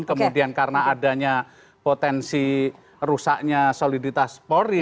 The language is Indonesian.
kemudian karena adanya potensi rusaknya soliditas polri